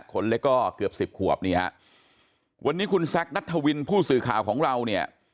คนเล็กก็เกือบสิบขวบนี่ฮะวันนี้คุณแซคนัทธวินผู้สื่อข่าวของเราเนี่ย